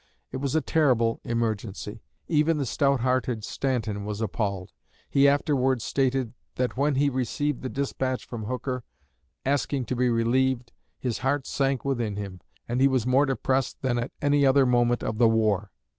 It was a terrible emergency. Even the stout hearted Stanton was appalled. He afterward stated that when he received the despatch from Hooker, asking to be relieved, his heart sank within him, and he was more depressed than at any other moment of the war.